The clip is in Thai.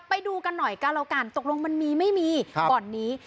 ไปดูกันหน่อยก็แล้วกันตกลงมันมีไม่มีบ่อนนี้